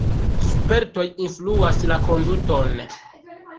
Spertoj influas la konduton.